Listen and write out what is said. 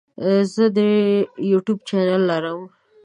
زه د یوټیوب چینل لرم.